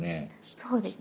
そうですね。